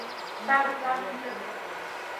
ستا د پلار نوم څه دي